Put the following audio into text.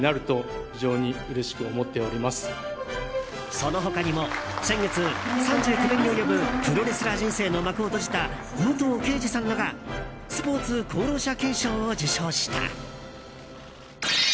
その他にも、先月３９年に及ぶプロレスラー人生の幕を閉じた武藤敬司さんらがスポーツ功労者顕彰を受賞した。